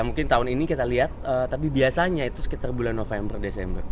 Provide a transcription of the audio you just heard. mungkin tahun ini kita lihat tapi biasanya itu sekitar bulan november desember